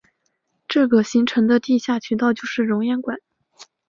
这个形成的地下渠道就是熔岩管。